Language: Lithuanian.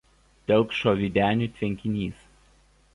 Telkšo Vydenių tvenkinys.